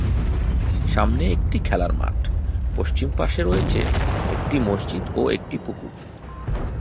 সামনে একটি খেলার মাঠ, পশ্চিম পাশে রয়েছে একটি মসজিদ ও একটি পুকুর।